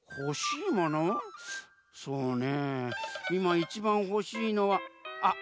そうねいまいちばんほしいのはあっ